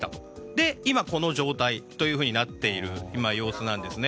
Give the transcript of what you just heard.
で今、この状態となっている様子なんですね。